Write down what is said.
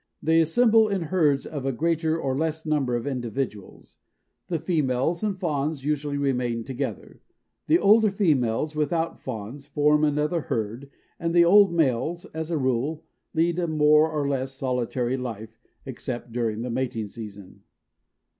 They assemble in herds of a greater or less number of individuals. The females and fawns usually remain together; the older females without fawns form another herd and the old males, as a rule, lead a more or less solitary life, except during the mating season.